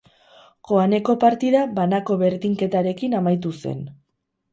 Joaneko partida banako berdinketarekin amaitu zen.